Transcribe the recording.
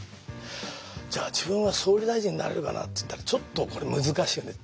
じゃあ自分は総理大臣になれるかなっていったらちょっとこれは難しいよね。